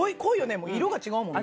もう色が違うもんね。